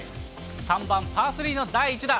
３番パー３の第１打。